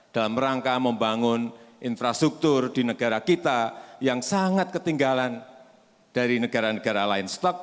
dalam rangka membangun infrastruktur di negara kita yang sangat ketinggalan dari negara negara lain stok